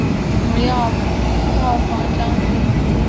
主演暴坊将军。